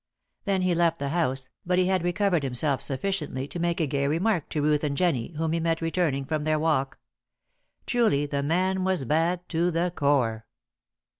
Then he left the house, but he had recovered himself sufficiently to make a gay remark to Ruth and Jennie, whom he met returning from their walk. Truly the man was bad to the core.